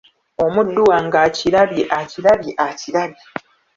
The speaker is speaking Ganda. Omuddu wange akirabye, akirabye, akirabye !